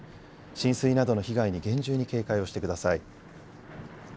浸水などの被害に厳重に警戒をしてください。